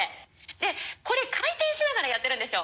でこれ回転しながらやってるんですよ。